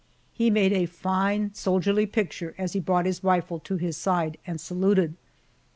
He made a fine, soldierly picture as he brought his rifle to his side and saluted.